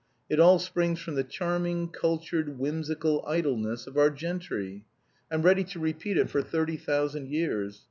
It all springs from the charming, cultured, whimsical idleness of our gentry! I'm ready to repeat it for thirty thousand years.